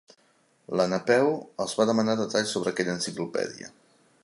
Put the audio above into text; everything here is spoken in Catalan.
La Napeu els va demanar detalls sobre aquella enciclopèdia.